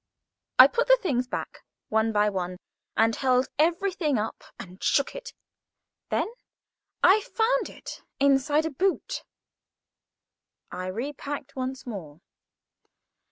I put the things back one by one, and held everything up and shook it. Then I found it inside a boot. I repacked once more.